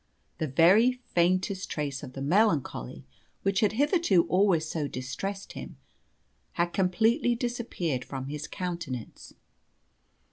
The very faintest trace of the melancholy which had hitherto always so distressed him had completely disappeared from his countenance.